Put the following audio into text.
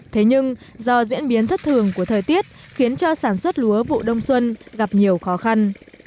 thế nhưng do diễn biến thất thường của thời tiết khiến cho sản xuất lúa vụ đông xuân gặp nhiều khó khăn